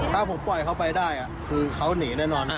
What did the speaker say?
ถ้าผมปล่อยเขาไปได้คือเขาหนีแน่นอน